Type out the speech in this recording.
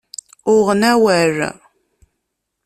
Uɣen awal.